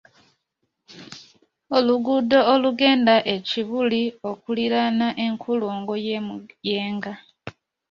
Oluguudo olugenda e Kibuli okuliraana enkulungo y’e Muyenga.